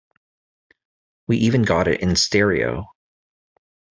We even got it in stereo.